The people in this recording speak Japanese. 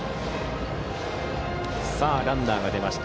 ランナーが出ました。